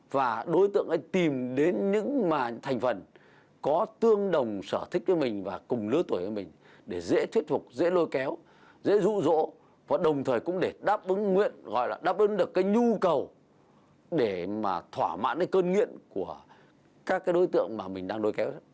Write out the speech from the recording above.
và đối tượng anh tìm đến những mà thành phần có tương đồng sở thích với mình và cùng lứa tuổi của mình để dễ thuyết phục dễ lôi kéo dễ rụ rỗ và đồng thời cũng để đáp ứng nguyện gọi là đáp ứng được cái nhu cầu để mà thỏa mãn cái cơn nghiện của các cái đối tượng mà mình đang lôi kéo